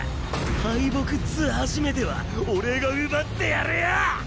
敗北っつう初めては俺が奪ってやるよ！